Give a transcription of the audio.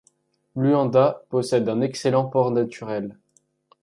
Luanda possède un excellent port naturel.